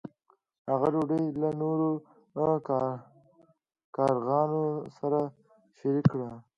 هغه ډوډۍ له نورو کارغانو سره شریکه کړه.